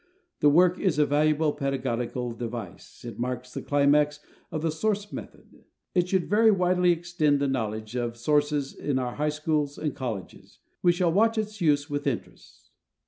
The work is a valuable pedagogical device; it marks the climax of the source method. It should very widely extend the knowledge of sources in our high schools and colleges. We shall watch its use with interest.